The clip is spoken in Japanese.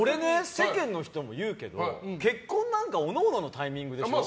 世間の人に言うけど結婚なんか各々のタイミングでしょ。